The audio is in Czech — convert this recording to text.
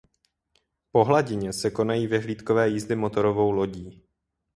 Po hladině se konají vyhlídkové jízdy motorovou lodí.